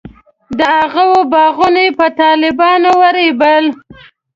د هغوی باغونه یې په طالبانو ورېبل.